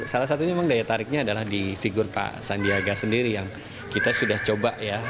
salah satunya memang daya tariknya adalah di figur pak sandiaga sendiri yang kita sudah coba ya